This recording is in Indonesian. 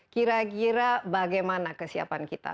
kira kira bagaimana kesiapan kita